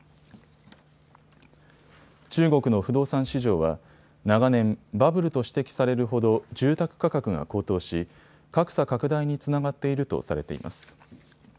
中国の不動産市場は長年、バブルと指摘されるほど住宅価格が高騰し格差拡大につながっているとされています。